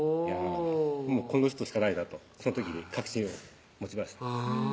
もうこの人しかないなとその時に確信を持ちました